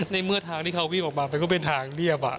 ในเมื่อทางที่เขาวิ่งออกมามันก็เป็นทางเรียบ